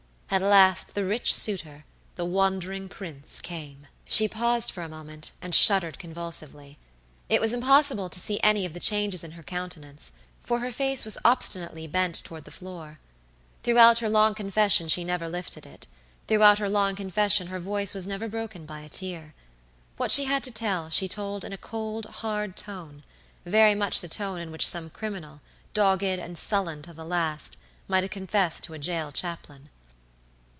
At last the rich suitor, the wandering prince came." She paused for a moment, and shuddered convulsively. It was impossible to see any of the changes in her countenance, for her face was obstinately bent toward the floor. Throughout her long confession she never lifted it; throughout her long confession her voice was never broken by a tear. What she had to tell she told in a cold, hard tone, very much the tone in which some criminal, dogged and sullen to the last, might have confessed to a jail chaplain.